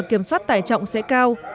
kiểm soát tài trọng sẽ cao